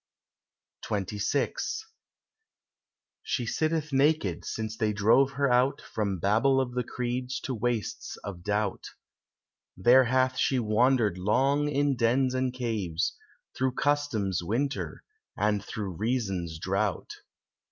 XXVI She sitteth naked since they drove her out From Babel of the Creeds to wastes of Doubt; There hath she wandered long in dens and caves, Through Custom's winter, and through Reason's drought.